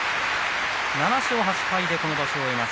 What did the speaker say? ７勝８敗でこの場所終わります